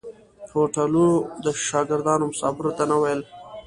هوټلو شاګردانو مسافرو ته نه ویل.